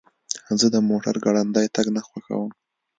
زه د موټر ګړندی تګ نه خوښوم.